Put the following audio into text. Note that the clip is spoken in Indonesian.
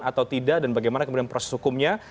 atau tidak dan bagaimana kemudian proses hukumnya